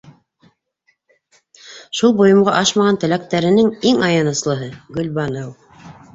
Шул бойомға ашмаған теләктәренең иң аяныслыһы - Гөлбаныу.